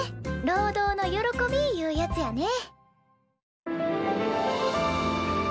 労働の喜びいうやつやね。